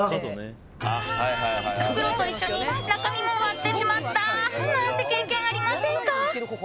袋と一緒に中身も割ってしまったなんて経験ありませんか？